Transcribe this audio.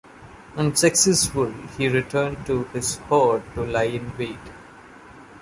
Unsuccessful, he returned to his hoard to lie in wait.